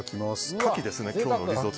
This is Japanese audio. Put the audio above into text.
カキですね、今日のリゾット。